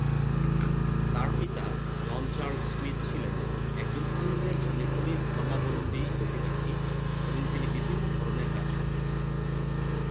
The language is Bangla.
তার পিতা জন চার্লস স্মিথ ছিলেন একজন ইংরেজ মেথডিস্ট ধর্মাবলম্বী অভিবাসী এবং তিনি বিভিন্ন ধরনের কাজ করতেন।